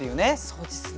そうですね。